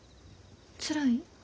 つらい？